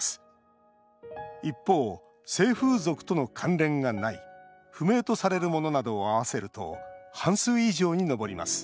一方、性風俗との関連がない不明とされるものなどを合わせると半数以上に上ります。